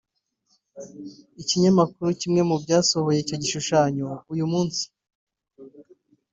Ikinyamakuru kimwe mu byasohoye icyo gishushanyo uyu munsi